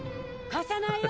貸さないよ